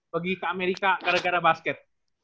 pergi ke amerika gara gara basket